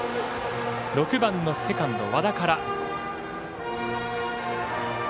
６番のセカンド、和田から。